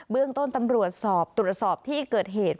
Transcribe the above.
เรื่องต้นตำรวจสอบตรวจสอบที่เกิดเหตุ